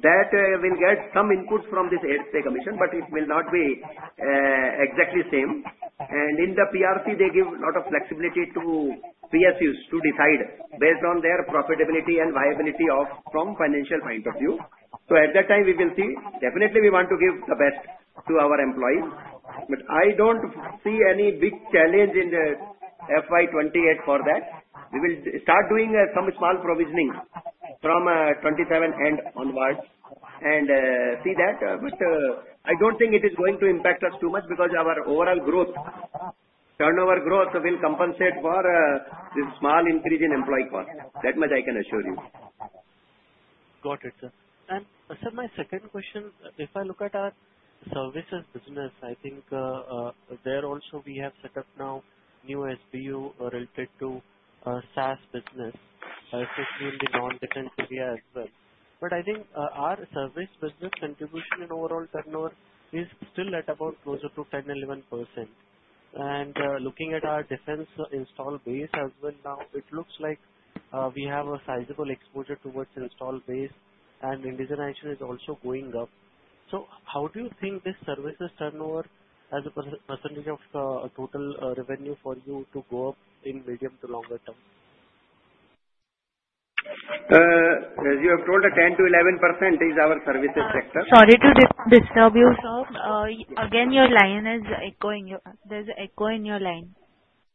That will get some input from this eighth pay commission, but it will not be exactly the same. In the PRC, they give a lot of flexibility to PSUs to decide based on their profitability and viability from a financial point of view. At that time, we will see. Definitely, we want to give the best to our employees. I do not see any big challenge in FY2028 for that. We will start doing some small provisioning from 2027 and onwards and see that. I do not think it is going to impact us too much because our overall growth, turnover growth will compensate for this small increase in employee cost. That much I can assure you. Got it, sir. Sir, my second question, if I look at our services business, I think there also we have set up now new SBU related to SAS business, especially in the non-defense area as well. I think our service business contribution and overall turnover is still at about closer to 10%-11%. Looking at our defense install base as well now, it looks like we have a sizable exposure towards install base, and indigenization is also going up. How do you think this services turnover as a percentage of total revenue for you to go up in medium to longer term? As you have told, 10%-11% is our services sector. Sorry to disturb you, sir. Again, your line is echoing. There is an echo in your line.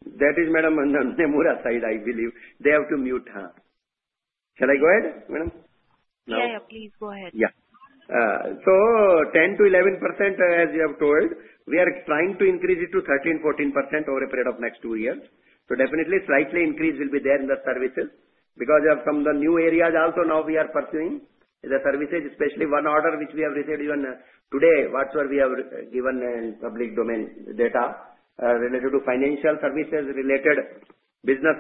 That is Madam Nandimura's side, I believe. They have to mute her. Shall I go ahead, Madam? Yeah, yeah. Please go ahead. Yeah. 10%-11%, as you have told, we are trying to increase it to 13%-14% over a period of the next two years. Definitely, a slight increase will be there in the services because of some of the new areas also now we are pursuing in the services, especially one order which we have received even today, what we have given public domain data related to financial services-related business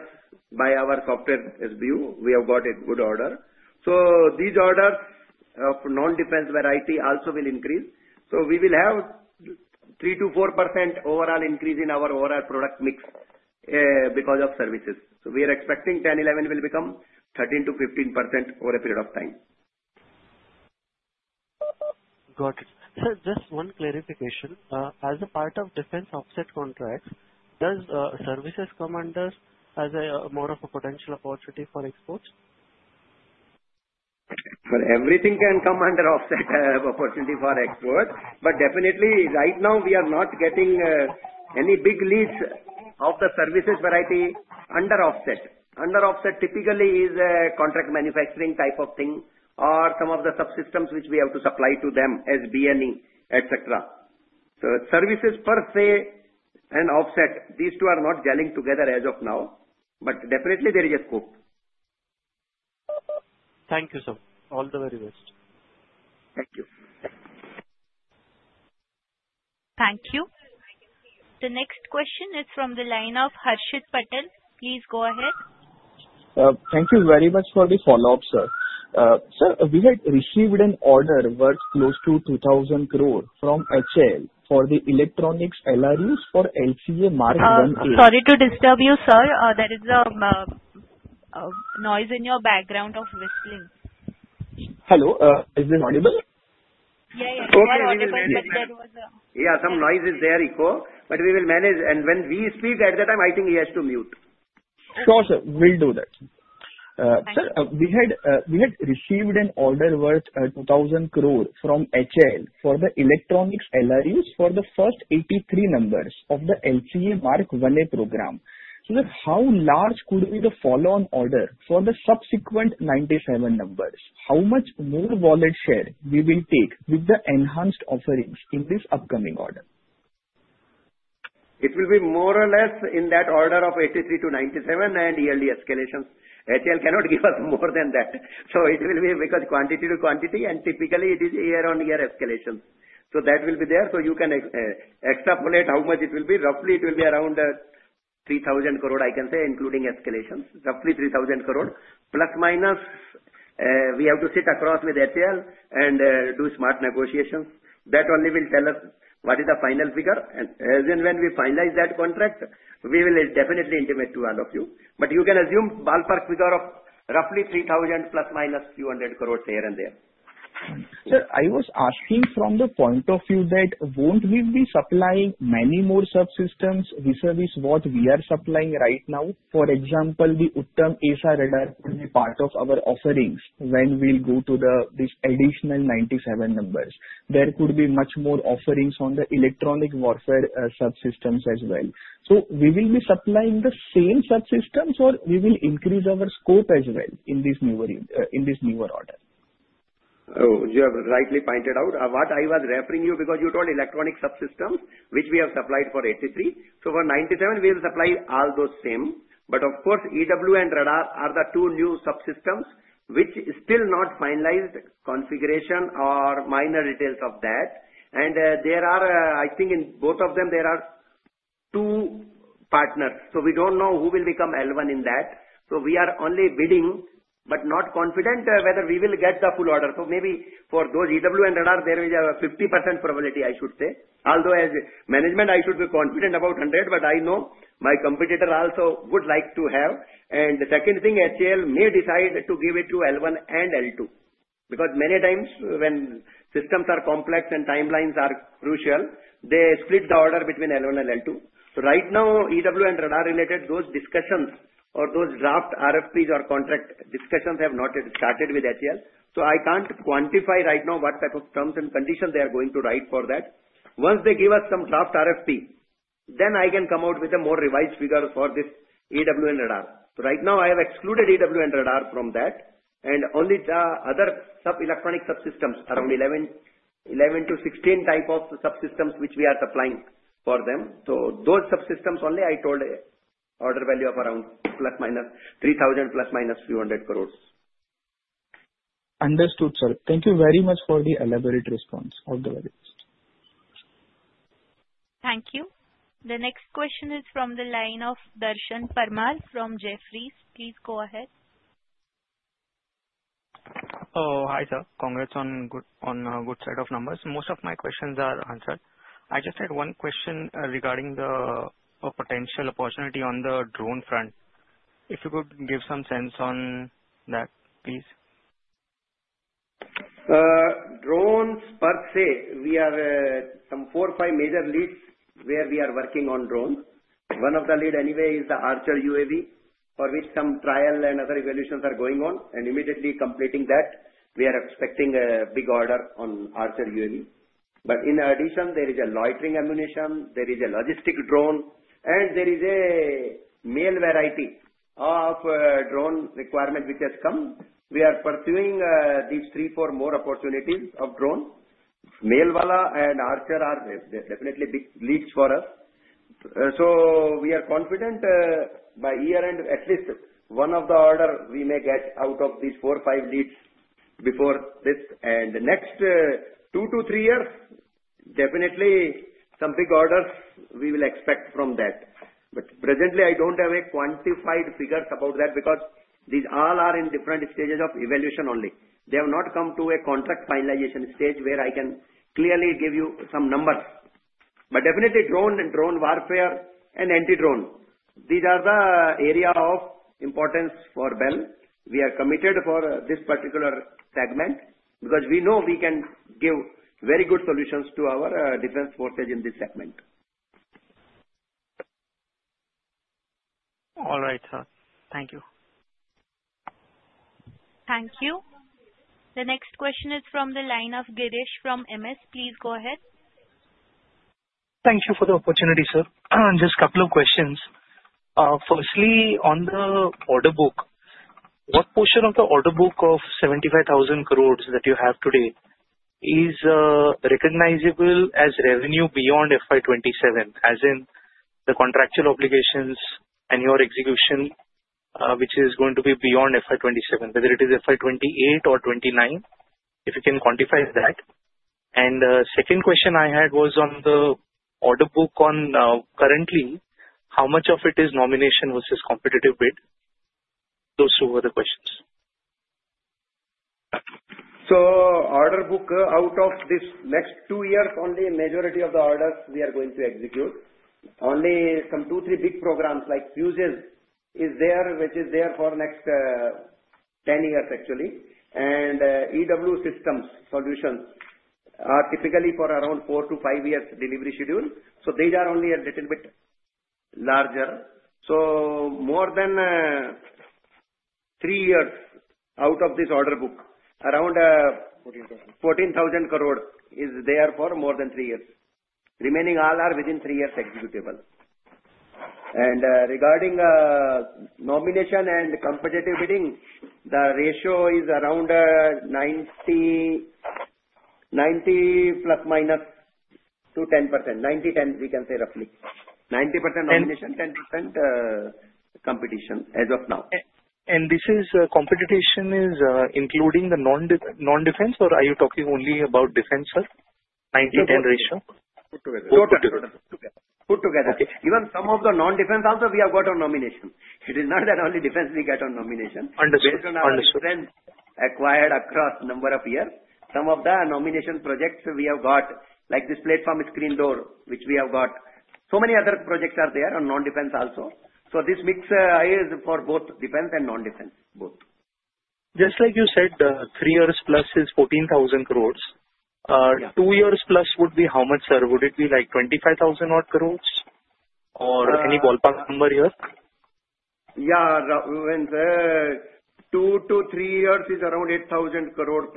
by our software SBU. We have got a good order. These orders of non-defense variety also will increase. We will have a 3%-4% overall increase in our overall product mix because of services. We are expecting 10%-11% will become 13%-15% over a period of time. Got it. Sir, just one clarification. As a part of defense offset contracts, does services come under as more of a potential opportunity for exports? Everything can come under offset opportunity for exports. Definitely, right now, we are not getting any big leads of the services variety under offset. Under offset, typically, it is a contract manufacturing type of thing or some of the subsystems which we have to supply to them as BNE, etc. Services per se and offset, these two are not gelling together as of now. Definitely, there is a scope. Thank you, sir. All the very best. Thank you. Thank you. The next question is from the line of Harshit Patel. Please go ahead. Thank you very much for the follow-up, sir. Sir, we had received an order worth close to 2,000 crore from HAL for the electronics LRUs for LCA Mark 1A. Sorry to disturb you, sir. There is a noise in your background of whistling. Hello? Is this audible? Yeah, yeah. But there was a. Yeah, some noise is there, echo. We will manage. When we speak at the time, I think he has to mute. Sure, sir. We'll do that. Sir, we had received an order worth 2,000 crore from HAL for the electronics LRUs for the first 83 numbers of the LCA Mark 1A program. Sir, how large could be the follow-on order for the subsequent 97 numbers? How much more wallet share will we take with the enhanced offerings in this upcoming order? It will be more or less in that order of 83-97 and yearly escalations. HAL cannot give us more than that. It will be because quantity to quantity, and typically, it is year-on-year escalations. That will be there. You can extrapolate how much it will be. Roughly, it will be around 3,000 crore, I can say, including escalations. Roughly INR 3,000± crore. We have to sit across with HAL and do smart negotiations. That only will tell us what is the final figure. As and when we finalize that contract, we will definitely intimate to all of you. You can assume ballpark figure of roughly INR 3,000± few hundred crore here and there. Sir, I was asking from the point of view that won't we be supplying many more subsystems besides what we are supplying right now? For example, the Uttam AESA radar could be part of our offerings when we go to these additional 97 numbers. There could be much more offerings on the electronic warfare subsystems as well. Will we be supplying the same subsystems, or will we increase our scope as well in this newer order? You have rightly pointed out what I was referring to because you told electronic subsystems, which we have supplied for 83. For 97, we will supply all those same. Of course, EW and radar are the two new subsystems, which is still not finalized configuration or minor details of that. I think in both of them, there are two partners. We do not know who will become L1 in that. We are only bidding, but not confident whether we will get the full order. Maybe for those EW and radar, there is a 50% probability, I should say. Although as management, I should be confident about 100%, I know my competitor also would like to have. The second thing, HAL may decide to give it to L1 and L2. Many times, when systems are complex and timelines are crucial, they split the order between L1 and L2. Right now, EW and radar related, those discussions or those draft RFPs or contract discussions have not started with HAL. I cannot quantify right now what type of terms and conditions they are going to write for that. Once they give us some draft RFP, then I can come out with a more revised figure for this EW and radar. Right now, I have excluded EW and radar from that. Only the other sub-electronic subsystems, around 11-16 type of subsystems which we are supplying for them. Those subsystems only, I told an order value of around plus minus INR 3,000± few hundred crores. Understood, sir. Thank you very much for the elaborate response. Thank you. The next question is from the line of Darshan Parmar from Jefferies. Please go ahead. Oh, hi, sir. Congrats on a good set of numbers. Most of my questions are answered. I just had one question regarding the potential opportunity on the drone front. If you could give some sense on that, please. Drones per se, we have some four or five major leads where we are working on drones. One of the leads anyway is the Archer UAV, for which some trial and other evaluations are going on. Immediately completing that, we are expecting a big order on Archer UAV. In addition, there is a loitering ammunition. There is a logistic drone. There is a male variety of drone requirement which has come. We are pursuing these three, four more opportunities of drones. MALE UAV and Archer are definitely big leads for us. We are confident by year-end, at least one of the orders we may get out of these four or five leads before this. In the next two to three years, definitely some big orders we will expect from that. Presently, I don't have a quantified figure about that because these all are in different stages of evaluation only. They have not come to a contract finalization stage where I can clearly give you some numbers. Definitely, drone and drone warfare and anti-drone, these are the areas of importance for BEL. We are committed for this particular segment because we know we can give very good solutions to our defense forces in this segment. All right, sir. Thank you. Thank you. The next question is from the line of Girish from MS. Please go ahead. Thank you for the opportunity, sir. Just a couple of questions. Firstly, on the order book, what portion of the order book of 75,000 crore that you have today is recognizable as revenue beyond FY 2027, as in the contractual obligations and your execution, which is going to be beyond FY 2027, whether it is FY 2028 or 2029, if you can quantify that? The second question I had was on the order book on currently, how much of it is nomination versus competitive bid? Those two were the questions. Order book, out of this next two years, only a majority of the orders we are going to execute. Only some two, three big programs like FUSES is there, which is there for next 10 years, actually. And EW systems solutions are typically for around four to five years delivery schedule. These are only a little bit larger. More than three years out of this order book, around 14,000 crore is there for more than three years. Remaining all are within three years executable. Regarding nomination and competitive bidding, the ratio is around 90%± to 10%. 90-10, we can say roughly. 90% nomination, 10% competition as of now. Is this competition including the non-defense, or are you talking only about defense, sir? 90-10 ratio? Put together. Even some of the non-defense also, we have got on nomination. It is not that only defense we get on nomination. Understood. Understood. We have acquired across a number of years. Some of the nomination projects we have got, like this platform screen door, which we have got. So many other projects are there on non-defense also. This mix is for both defense and non-defense, both. Just like you said, three years plus is 14,000 crore. Two years plus would be how much, sir? Would it be like 25,000 crore or any ballpark number here? Yeah. Two to three years is around 8,000+ crore.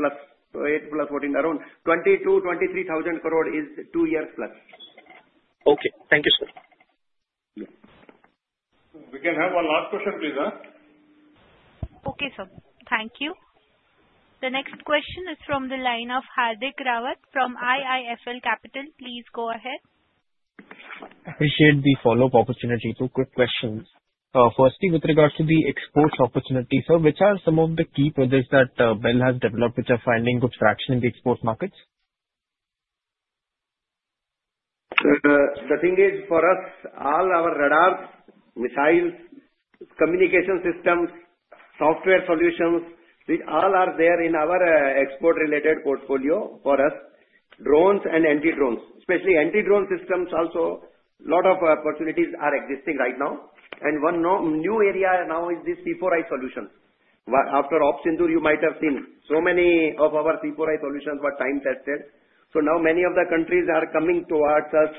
So 8 plus 14, around 22,000-23,000 crore is two years plus. Okay. Thank you, sir. We can have one last question, please, sir. Okay, sir. Thank you. The next question is from the line of Hardik Rawat from IIFL Securities. Please go ahead. Appreciate the follow-up opportunity too. Quick question. Firstly, with regards to the exports opportunity, sir, which are some of the key pillars that BEL has developed which are finding good traction in the export markets? The thing is for us, all our radars, missiles, communication systems, software solutions, these all are there in our export-related portfolio for us. Drones and anti-drones, especially anti-drone systems, also a lot of opportunities are existing right now. One new area now is these C4I solutions. After Opsindur, you might have seen so many of our C4I solutions were time-tested. Now many of the countries are coming towards us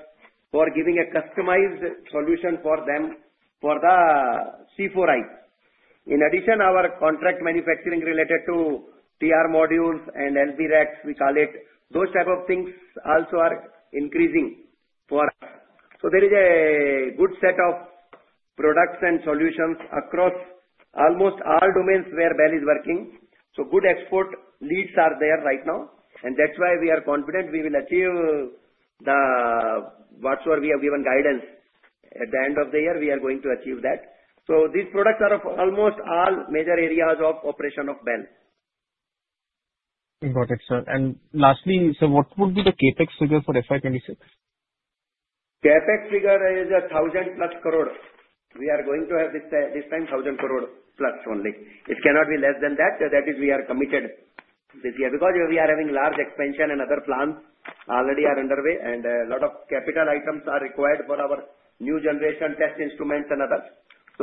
for giving a customized solution for them for the C4I. In addition, our contract manufacturing related to TR modules and LB racks, we call it, those type of things also are increasing for us. There is a good set of products and solutions across almost all domains where BEL is working. Good export leads are there right now. That is why we are confident we will achieve the. Whatsoever we have given guidance at the end of the year, we are going to achieve that. These products are of almost all major areas of operation of BEL. Got it, sir. Lastly, sir, what would be the CapEx figure for FY2026? CapEx figure is 1,000+ crore. We are going to have this time 1,000+ crore only. It cannot be less than that. That is, we are committed this year because we are having large expansion and other plans already are underway, and a lot of capital items are required for our new generation test instruments and others.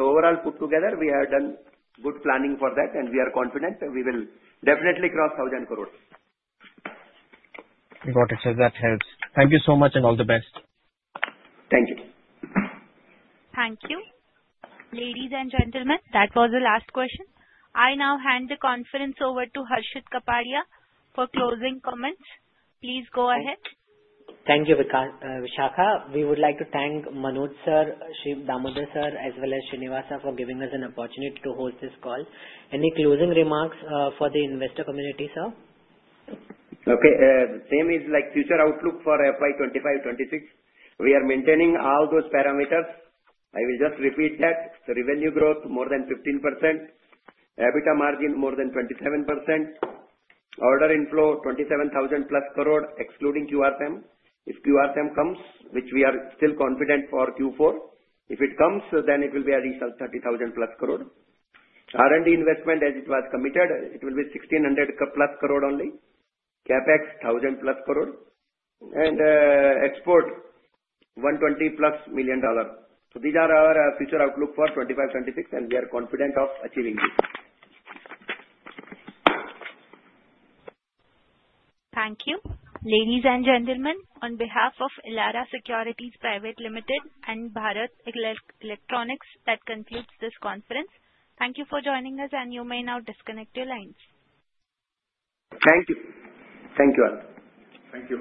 Overall, put together, we have done good planning for that, and we are confident we will definitely cross 1,000 crore. Got it, sir. That helps. Thank you so much and all the best. Thank you. Thank you. Ladies and gentlemen, that was the last question. I now hand the conference over to Harshit Kapadia for closing comments. Please go ahead. Thank you, Vishakha. We would like to thank Manoj sir, Damodar Bhattad sir, as well as Shri Nivas sir for giving us an opportunity to host this call. Any closing remarks for the investor community, sir? Okay. Same is like future outlook for FY2025-2026. We are maintaining all those parameters. I will just repeat that. The revenue growth, more than 15%. EBITDA margin, more than 27%. Order inflow, 27,000+ crore, excluding QRSAM. If QRSAM comes, which we are still confident for Q4, if it comes, then it will be a result, 30,000+ crore. R&D investment, as it was committed, it will be 1,600+ crore only. CapEx, 1,000+ crore. And export, $120+ million. So these are our future outlook for 2025-2026, and we are confident of achieving this. Thank you. Ladies and gentlemen, on behalf of Elara Securities Private Limited and Bharat Electronics, that concludes this conference. Thank you for joining us, and you may now disconnect your lines. Thank you. Thank you all. Thank you.